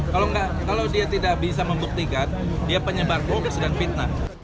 kalau dia tidak bisa membuktikan dia penyebar hoax dan fitnah